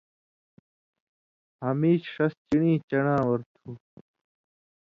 ہمیش ݜس چِن٘ڑیں چن٘ڑاں اور تُھو